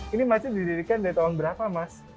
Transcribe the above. ini macet didirikan dari tahun berapa mas